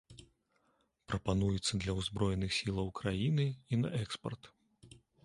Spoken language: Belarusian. Прапануецца для ўзброеных сілаў краіны і на экспарт.